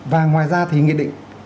và ngoài ra thì nghị định